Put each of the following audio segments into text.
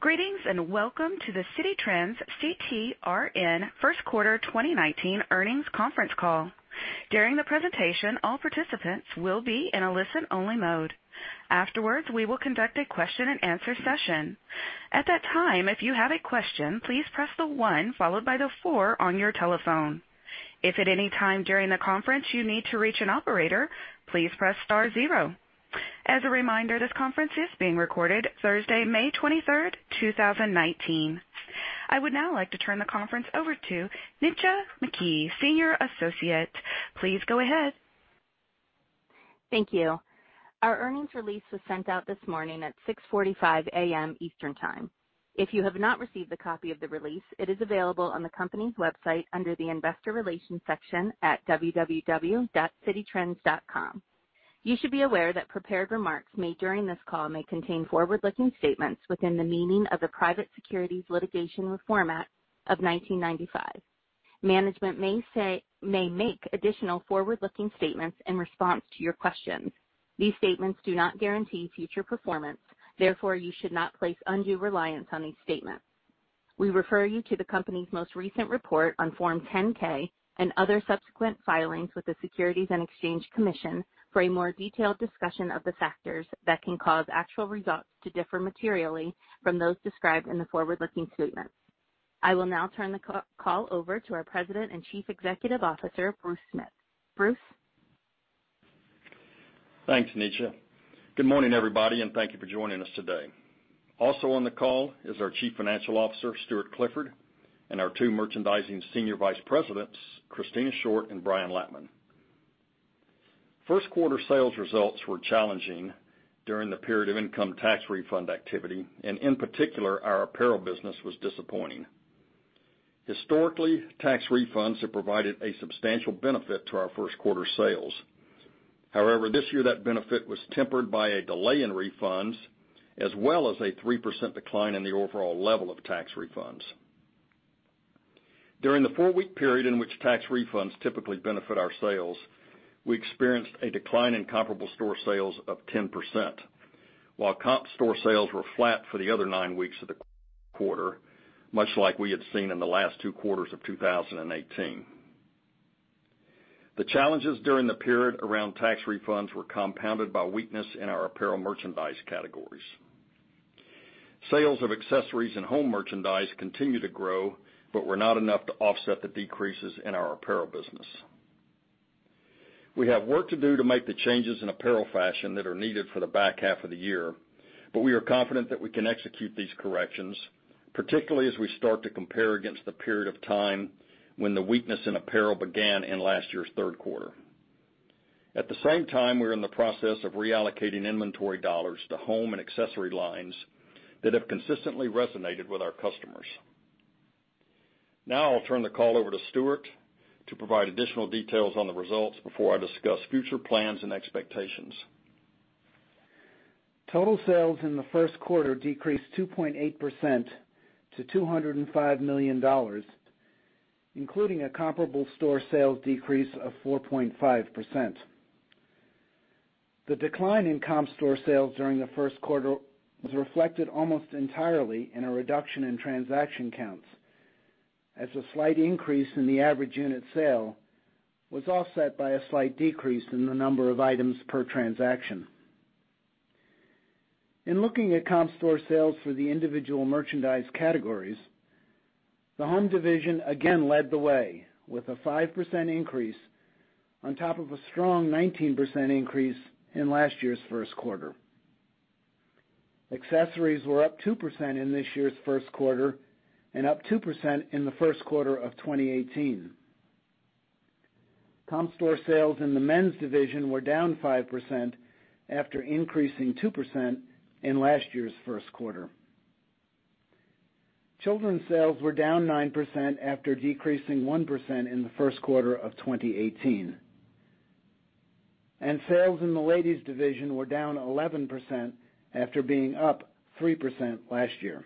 Greetings and Welcome to the Citi Trends CTRN first quarter 2019 earnings conference call. During the presentation, all participants will be in a listen-only mode. Afterwards, we will conduct a question-and-answer session. At that time, if you have a question, please press the one followed by the four on your telephone. If at any time during the conference you need to reach an operator, please press star 0. As a reminder, this conference is being recorded Thursday, May 23rd, 2019. I would now like to turn the conference over to Nitza McKee, Senior Associate. Please go ahead. Thank you. Our earnings release was sent out this morning at 6:45 A.M. Eastern Time. If you have not received a copy of the release, it is available on the company's website under the Investor Relations section at www.cititrends.com. You should be aware that prepared remarks made during this call may contain forward-looking statements within the meaning of the Private Securities Litigation Reform Act of 1995. Management may make additional forward-looking statements in response to your questions. These statements do not guarantee future performance; therefore, you should not place undue reliance on these statements. We refer you to the company's most recent report on Form 10-K and other subsequent filings with the U.S. Securities and Exchange Commission for a more detailed discussion of the factors that can cause actual results to differ materially from those described in the forward-looking statements. I will now turn the call over to our President and Chief Executive Officer, Bruce Smith. Bruce? Thanks, Nitza. Good morning, everybody, and thank you for joining us today. Also on the call is our Chief Financial Officer, Stuart Clifford, and our two merchandising Senior Vice Presidents, Christina Short and Brian Lattman. First quarter sales results were challenging during the period of income tax refund activity, and in particular, our apparel business was disappointing. Historically, tax refunds have provided a substantial benefit to our first quarter sales. However, this year, that benefit was tempered by a delay in refunds as well as a 3% decline in the overall level of tax refunds. During the four-week period in which tax refunds typically benefit our sales, we experienced a decline in comparable store sales of 10%, while comp store sales were flat for the other nine weeks of the quarter, much like we had seen in the last two quarters of 2018. The challenges during the period around tax refunds were compounded by weakness in our apparel merchandise categories. Sales of accessories and home merchandise continued to grow, but were not enough to offset the decreases in our apparel business. We have work to do to make the changes in apparel fashion that are needed for the back half of the year, but we are confident that we can execute these corrections, particularly as we start to compare against the period of time when the weakness in apparel began in last year's third quarter. At the same time, we are in the process of reallocating inventory dollars to home and accessory lines that have consistently resonated with our customers. Now, I'll turn the call over to Stuart to provide additional details on the results before I discuss future plans and expectations. Total sales in the first quarter decreased 2.8% - $205 million, including a comparable store sales decrease of 4.5%. The decline in comp store sales during the first quarter was reflected almost entirely in a reduction in transaction counts, as a slight increase in the average unit sale was offset by a slight decrease in the number of items per transaction. In looking at comp store sales for the individual merchandise categories, the home division again led the way with a 5% increase on top of a strong 19% increase in last year's first quarter. Accessories were up 2% in this year's first quarter and up 2% in the first quarter of 2018. Comp store sales in the men's division were down 5% after increasing 2% in last year's first quarter. Children's sales were down 9% after decreasing 1% in the first quarter of 2018. Sales in the ladies' division were down 11% after being up 3% last year.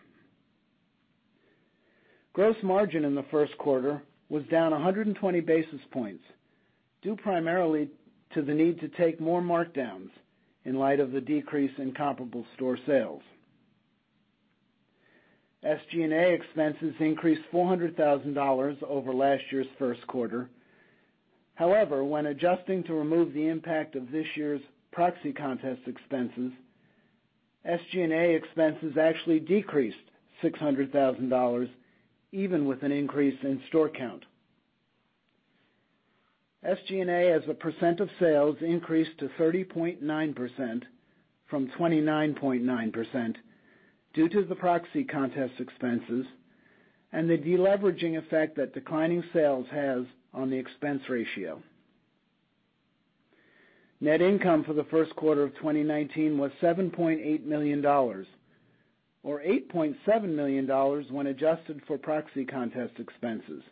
Gross margin in the first quarter was down 120 basis points, due primarily to the need to take more markdowns in light of the decrease in comparable store sales. SG&A expenses increased $400,000 over last year's first quarter. However, when adjusting to remove the impact of this year's proxy contest expenses, SG&A expenses actually decreased $600,000, even with an increase in store count. SG&A as a percent of sales increased to 30.9% from 29.9% due to the proxy contest expenses and the deleveraging effect that declining sales has on the expense ratio. Net income for the first quarter of 2019 was $7.8 million, or $8.7 million when adjusted for proxy contest expenses,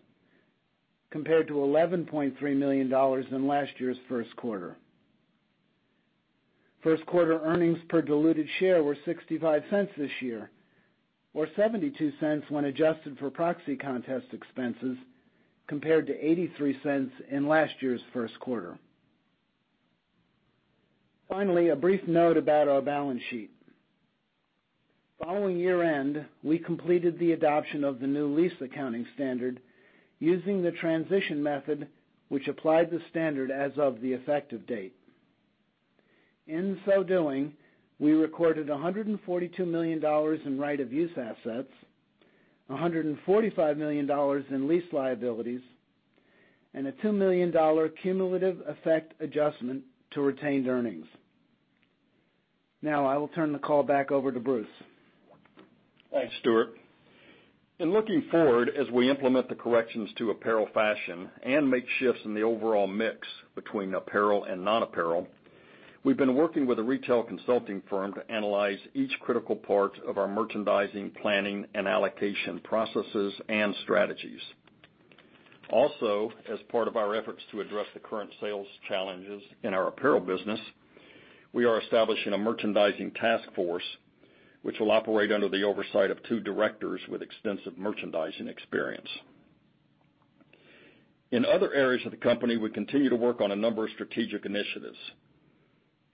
compared to $11.3 million in last year's first quarter. First quarter earnings per diluted share were $0.65 this year, or $0.72 when adjusted for proxy contest expenses, compared to $0.83 in last year's first quarter. Finally, a brief note about our balance sheet. Following year-end, we completed the adoption of the new lease accounting standard using the transition method, which applied the standard as of the effective date. In so doing, we recorded $142 million in right-of-use assets, $145 million in lease liabilities, and a $2 million cumulative effect adjustment to retained earnings. Now, I will turn the call back over to Bruce. Thanks, Stuart. In looking forward, as we implement the corrections to apparel fashion and make shifts in the overall mix between apparel and non-apparel, we've been working with a retail consulting firm to analyze each critical part of our merchandising, planning, and allocation processes and strategies. Also, as part of our efforts to address the current sales challenges in our apparel business, we are establishing a merchandising task force, which will operate under the oversight of two directors with extensive merchandising experience. In other areas of the company, we continue to work on a number of strategic initiatives.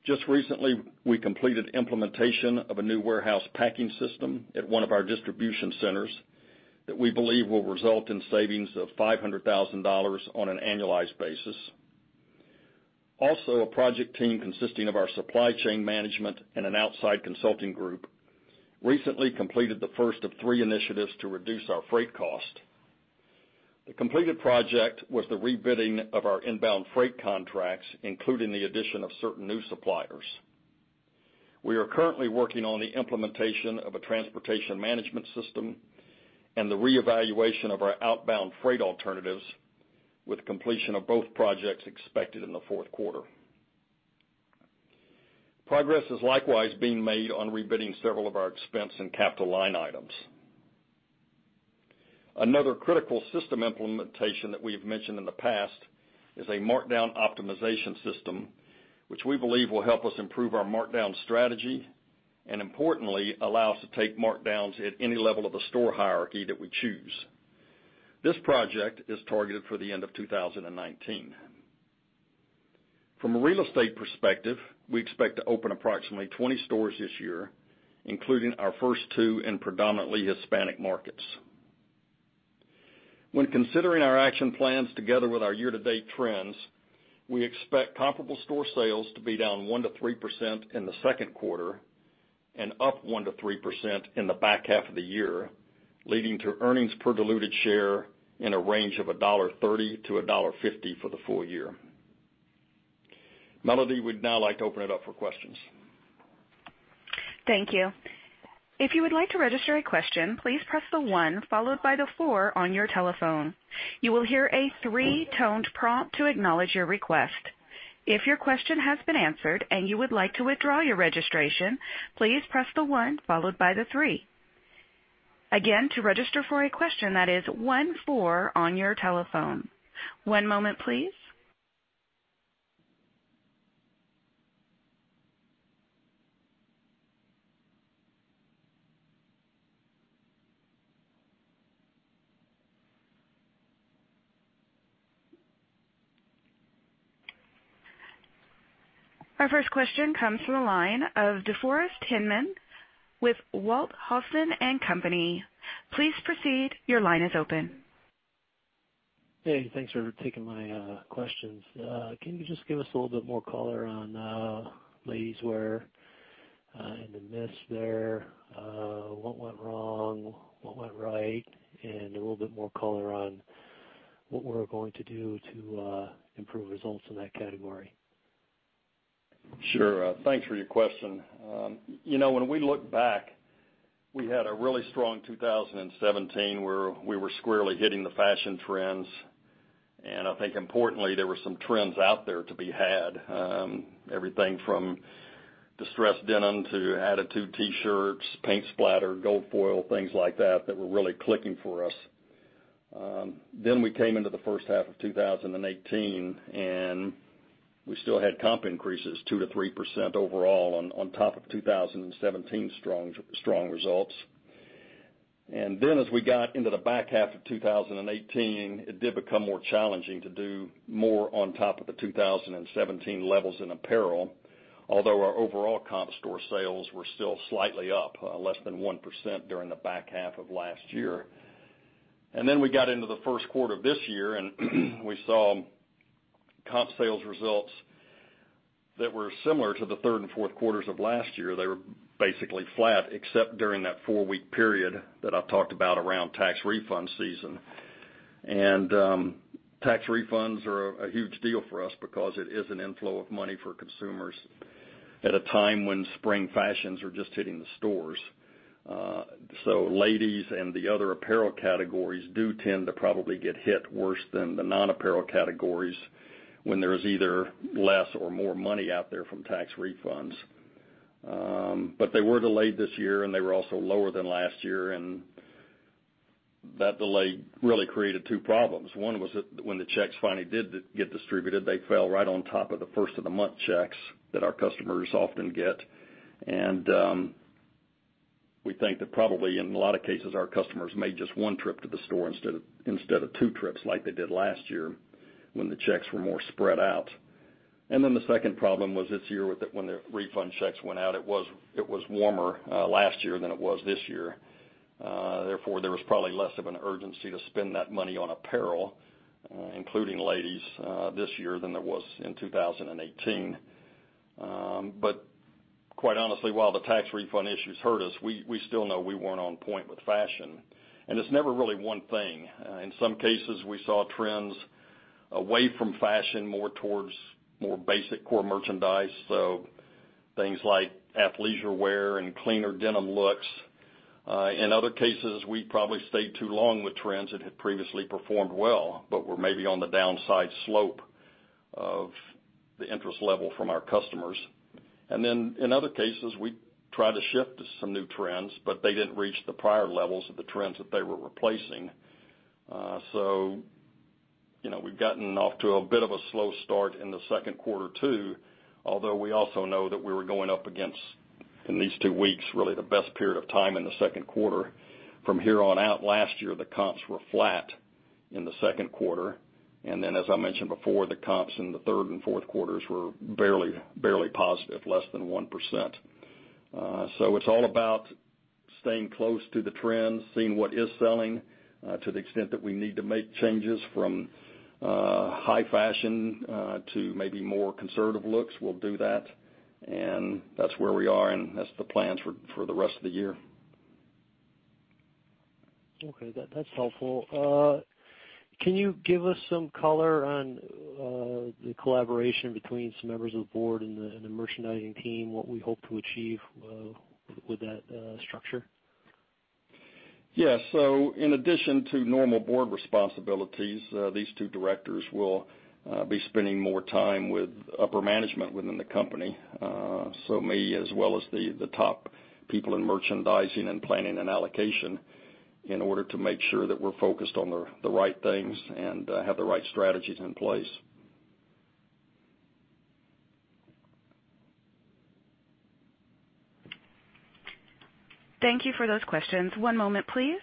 Just recently, we completed implementation of a new warehouse packing system at one of our distribution centers that we believe will result in savings of $500,000 on an annualized basis. Also, a project team consisting of our supply chain management and an outside consulting group recently completed the first of three initiatives to reduce our freight cost. The completed project was the rebidding of our inbound freight contracts, including the addition of certain new suppliers. We are currently working on the implementation of a transportation management system and the reevaluation of our outbound freight alternatives, with completion of both projects expected in the fourth quarter. Progress is likewise being made on rebidding several of our expense and capital line items. Another critical system implementation that we've mentioned in the past is a markdown optimization system, which we believe will help us improve our markdown strategy and, importantly, allow us to take markdowns at any level of the store hierarchy that we choose. This project is targeted for the end of 2019. From a real estate perspective, we expect to open approximately 20 stores this year, including our first two in predominantly Hispanic markets. When considering our action plans together with our year-to-date trends, we expect comparable store sales to be down 1-3% in the second quarter and up 1%-3% in the back half of the year, leading to earnings per diluted share in a range of $1.30-$1.50 for the full year. Melody, we'd now like to open it up for questions. Thank you. If you would like to register a question, please press the one followed by the four on your telephone. You will hear a three-toned prompt to acknowledge your request. If your question has been answered and you would like to withdraw your registration, please press the one followed by the three. Again, to register for a question, that is one four on your telephone. One moment, please. Our first question comes from a line of DeForest Hinman with Walthausen & Co. Please proceed. Your line is open. Hey, thanks for taking my questions. Can you just give us a little bit more color on ladies' wear and the mix there, what went wrong, what went right, and a little bit more color on what we're going to do to improve results in that category? Sure. Thanks for your question. When we look back, we had a really strong 2017 where we were squarely hitting the fashion trends. I think, importantly, there were some trends out there to be had, everything from distressed denim to attitude T-shirts, paint splatter, gold foil, things like that that were really clicking for us. We came into the first half of 2018, and we still had comp increases 2-3% overall on top of 2017's strong results. As we got into the back half of 2018, it did become more challenging to do more on top of the 2017 levels in apparel, although our overall comp store sales were still slightly up, less than 1% during the back half of last year. We got into the first quarter of this year, and we saw comp sales results that were similar to the third and fourth quarters of last year. They were basically flat, except during that four-week period that I talked about around tax refund season. Tax refunds are a huge deal for us because it is an inflow of money for consumers at a time when spring fashions are just hitting the stores. Ladies and the other apparel categories do tend to probably get hit worse than the non-apparel categories when there is either less or more money out there from tax refunds. They were delayed this year, and they were also lower than last year. That delay really created two problems. One was that when the checks finally did get distributed, they fell right on top of the first-of-the-month checks that our customers often get. We think that probably, in a lot of cases, our customers made just one trip to the store instead of two trips like they did last year when the checks were more spread out. The second problem was this year when the refund checks went out, it was warmer last year than it was this year. Therefore, there was probably less of an urgency to spend that money on apparel, including ladies, this year than there was in 2018. Quite honestly, while the tax refund issues hurt us, we still know we were not on point with fashion. It is never really one thing. In some cases, we saw trends away from fashion more towards more basic core merchandise, so things like athleisure wear and cleaner denim looks. In other cases, we probably stayed too long with trends that had previously performed well but were maybe on the downside slope of the interest level from our customers. In other cases, we tried to shift to some new trends, but they did not reach the prior levels of the trends that they were replacing. We have gotten off to a bit of a slow start in the second quarter too, although we also know that we were going up against, in these two weeks, really the best period of time in the second quarter. From here on out, last year, the comps were flat in the second quarter. As I mentioned before, the comps in the third and fourth quarters were barely positive, less than 1%. It is all about staying close to the trends, seeing what is selling to the extent that we need to make changes from high fashion to maybe more conservative looks. We will do that. That is where we are, and that is the plan for the rest of the year. Okay. That's helpful. Can you give us some color on the collaboration between some members of the board and the merchandising team, what we hope to achieve with that structure? Yeah. In addition to normal board responsibilities, these two directors will be spending more time with upper management within the company, so me as well as the top people in merchandising and planning and allocation, in order to make sure that we're focused on the right things and have the right strategies in place. Thank you for those questions. One moment, please.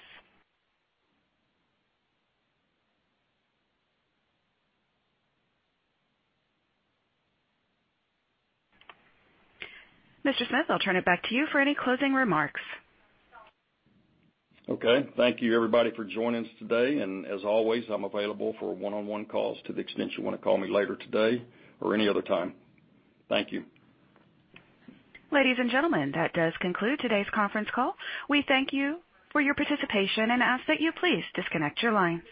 Mr. Smith, I'll turn it back to you for any closing remarks. Thank you, everybody, for joining us today. As always, I'm available for one-on-one calls to the extent you want to call me later today or any other time. Thank you. Ladies and gentlemen, that does conclude today's conference call. We thank you for your participation and ask that you please disconnect your line.